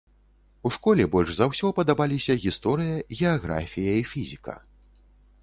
У школе больш за ўсё падабаліся гісторыя, геаграфія і фізіка.